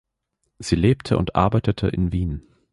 Sie lebte und arbeitete in Wien.